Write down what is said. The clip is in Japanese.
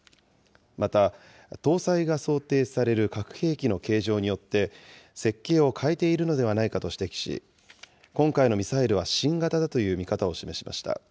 また、搭載が想定される核兵器の形状によって設計を変えているのではないかと指摘し、今回のミサイルは新型だという見方を示しました。